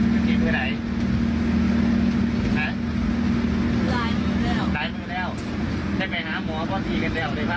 สิ่งที่เราติดตามคือสิ่งที่เราติดตามคือสิ่งที่เราติดตาม